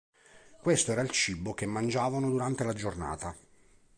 Questo era il cibo che mangiavano durante la giornata.